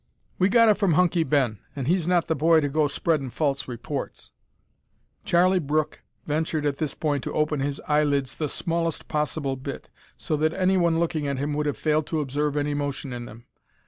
"We got it from Hunky Ben, an' he's not the boy to go spreadin' false reports." Charlie Brooke ventured at this point to open his eye lids the smallest possible bit, so that any one looking at him would have failed to observe any motion in them.